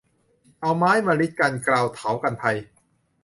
เอาไม้มะริดกันเกลาเถากันภัย